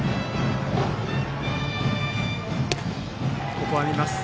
ここは見ます。